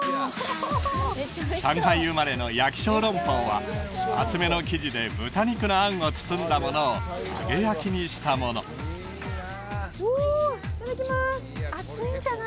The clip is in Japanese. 上海生まれの焼き小籠包は厚めの生地で豚肉のあんを包んだものを揚げ焼きにしたものおおいただきます